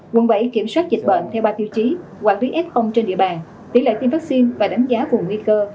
quận bảy kiểm soát dịch bệnh theo ba tiêu chí quản lý f trên địa bàn tỷ lệ tiêm vaccine và đánh giá vùng nguy cơ